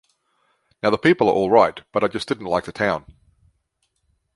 Now the people are all right, but I just didn't like the town.